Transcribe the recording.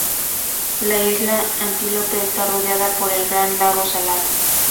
La isla Antílope está rodeada por el Gran Lago Salado.